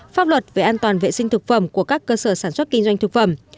pháp luật về an toàn vệ sinh thực phẩm của các cơ sở sản xuất kinh doanh thực phẩm